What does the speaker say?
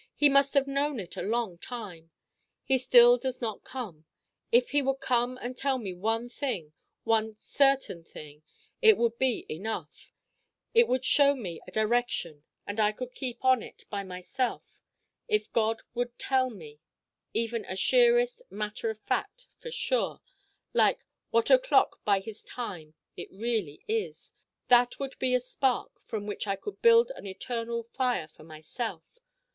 He must have known it a long time. He still does not come. If he would come and tell me one thing, one certain thing, it would be enough. It would show me a direction and I could keep on in it by myself. If God would tell me even a sheerest matter of fact, for sure like What O'Clock by his time it really is: that would be a spark from which I could build an eternal fire for myself.